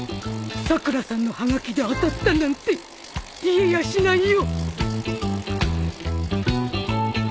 さくらさんのはがきで当たったなんて言えやしないよ